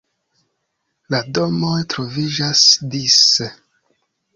La domoj troviĝas dise.